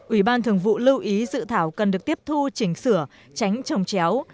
ủy ban thường vụ lưu ý dự thảo cần được tiếp thu chỉnh sửa tránh trồng chéo